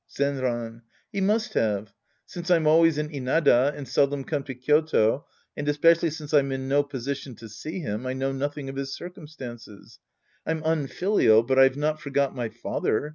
Zenran. He must have. Since I'm always in Inada and seldom come to Kyoto, and especially since I'm in no position to see him, I know nothing of his circumstances. I'm unfilial, but I've not forgot my father.